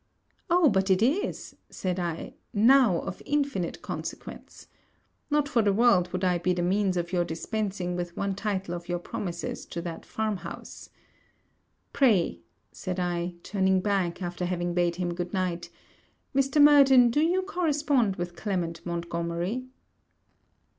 'Oh, but it is,' said I, 'now of infinite consequence. Not for the world would I be the means of your dispensing with one title of your promises to that farm house. Pray,' said I, turning back, after having bade him good night, 'Mr. Murden, do you correspond with Clement Montgomery?'